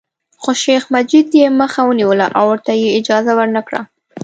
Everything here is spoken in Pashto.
خو شیخ مجید یې مخه ونیوله او ورته یې اجازه ورنکړه.